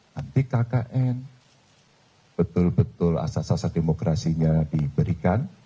nanti kkn betul betul asas asas demokrasinya diberikan